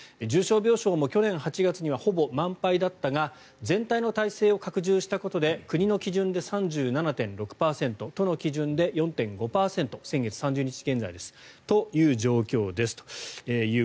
重症病床も去年８月にはほぼ満杯だったが全体の体制を拡充したことで国の基準で３７．６％都の基準で４．５％先月３０日現在でこのような状況です。